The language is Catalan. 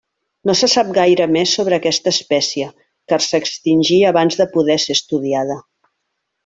No se sap gaire més sobre aquesta espècie, car s'extingí abans de poder ser estudiada.